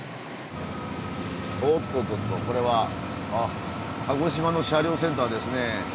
おっとっとこれは鹿児島の車両センターですね。